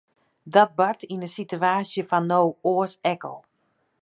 Dat bart yn de sitewaasje fan no oars ek al.